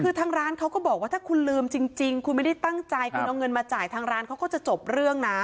คือทางร้านเขาก็บอกว่าถ้าคุณลืมจริงคุณไม่ได้ตั้งใจคุณเอาเงินมาจ่ายทางร้านเขาก็จะจบเรื่องนะ